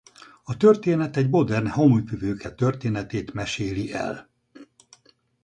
A történet egy modern Hamupipőke történetét meséli el.